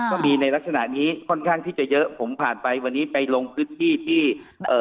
ก็มีในลักษณะนี้ค่อนข้างที่จะเยอะผมผ่านไปวันนี้ไปลงพื้นที่ที่เอ่อ